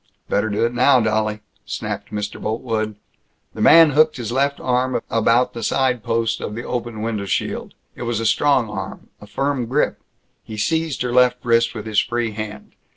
"Better do it now, dolly!" snapped Mr. Boltwood. The man hooked his left arm about the side post of the open window shield. It was a strong arm, a firm grip. He seized her left wrist with his free hand.